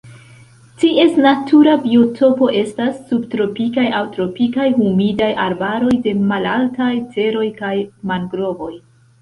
Ties natura biotopo estas subtropikaj aŭ tropikaj humidaj arbaroj de malaltaj teroj kaj mangrovoj.